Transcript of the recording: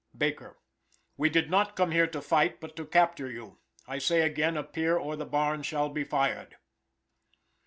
Baker "We did not come here to fight, but to capture you. I say again, appear, or the barn shall be fired."